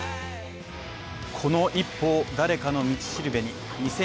この一歩を誰かの道しるべに。